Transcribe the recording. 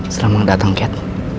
selamat datang ket